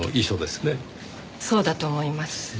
そうだと思います。